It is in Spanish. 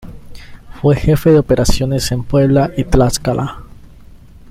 Fue jefe de operaciones en Puebla y Tlaxcala.